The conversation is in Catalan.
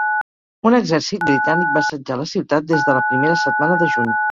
Un exèrcit britànic va assetjar la ciutat des de la primera setmana de juny.